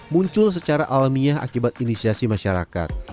muncul secara alamiah akibat inisiasi masyarakat